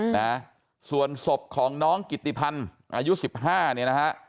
นะส่วนศพของน้องกิติพันธ์อายุสิบห้าเนี่ยนะฮะ